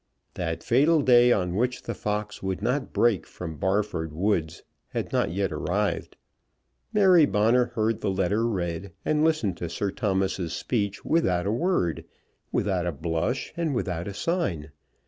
That fatal day on which the fox would not break from Barford Woods had not yet arrived. Mary Bonner heard the letter read, and listened to Sir Thomas's speech without a word, without a blush, and without a sign.